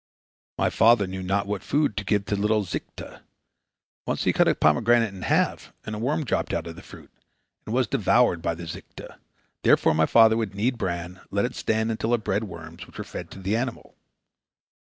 My father knew not what food to give to the little zikta. Once he cut a pomegranate in half, and a worm dropped out of the fruit, and was devoured by the zikta. Thenceforth my father would knead bran, and let it stand until it bred worms, which were fed to the animal.